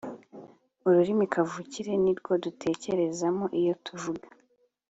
Ururimi kavukire ni rwo dutekerezamo iyo tuvuga